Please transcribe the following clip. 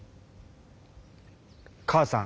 母さん。